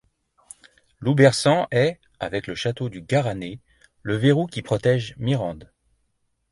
Loubersan est avec le château du Garrané le verrou qui protège Mirande.